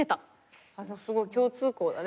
すごい共通項だね。